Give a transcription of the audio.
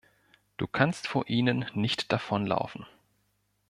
Du kannst vor ihnen nicht davonlaufen.